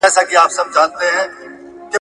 زه به لوستل کړي وي!!